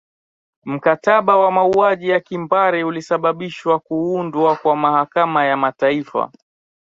mkataba wa mauaji ya kimbari ulisababishwa kuundwa kwa mahakama ya mataifa